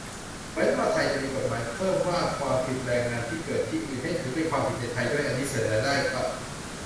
เว้นว่าไทยจะมีกฎหมายเพิ่มว่าความผิดแรงงานที่เกิดที่อื่น ให้ถือเป็นความผิดในไทยด้วย อันนี้เสนอได้ครับ